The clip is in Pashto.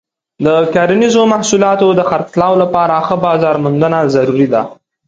د کرنیزو محصولاتو د خرڅلاو لپاره ښه بازار موندنه ضروري ده.